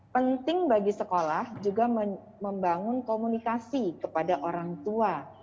penting bagi sekolah juga membangun komunikasi kepada orang tua